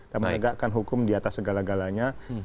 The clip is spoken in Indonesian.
dan menegakkan hukum di atas segala galanya